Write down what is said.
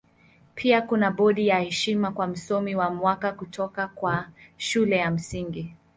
Pia kuna bodi ya heshima kwa Msomi wa Mwaka kutoka kwa Shule ya Msingi.